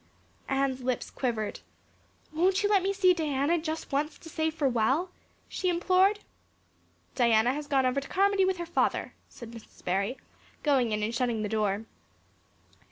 Anne's lips quivered. "Won't you let me see Diana just once to say farewell?" she implored. "Diana has gone over to Carmody with her father," said Mrs. Barry, going in and shutting the door.